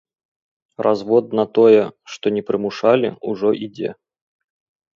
Развод на тое, што не прымушалі, ужо ідзе.